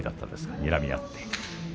にらみ合って。